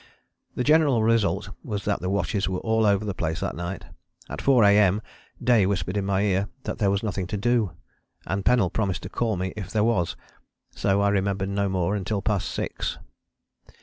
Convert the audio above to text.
The general result was that the watches were all over the place that night. At 4 A.M. Day whispered in my ear that there was nothing to do, and Pennell promised to call me if there was so I remembered no more until past six.